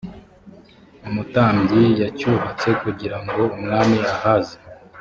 umutambyi yacyubatse kugira ngo umwami ahazi